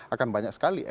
akan banyak sekali